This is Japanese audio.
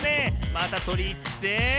またとりにいって。